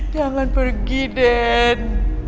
jangan pergi den